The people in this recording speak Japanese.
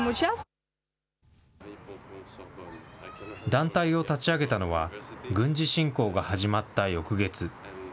団体を立ち上げたのは、軍事侵攻が始まった翌月。